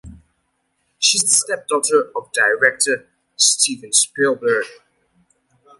She is the stepdaughter of director Steven Spielberg.